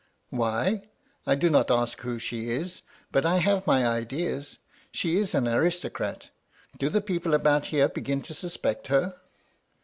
*'* Why ? I do not ask who she is, but I have my ideas. She is an aristocrat Do the people about here begin to suspect her